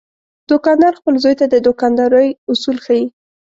دوکاندار خپل زوی ته د دوکاندارۍ اصول ښيي.